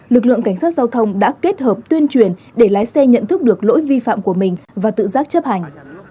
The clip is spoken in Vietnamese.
lực lượng cảnh sát giao thông đã kết hợp tuyên truyền để lái xe nhận thức được lỗi vi phạm của mình và tự giác chấp hành